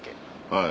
はい。